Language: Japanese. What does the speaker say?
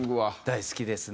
大好きですね。